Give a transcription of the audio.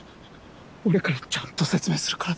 俺からちゃんと説明するから。